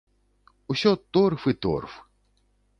Усё торф і торф.